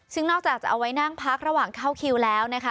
ซึ่งนอกจากจะเอาไว้นั่งพักระหว่างเข้าคิวแล้วนะคะ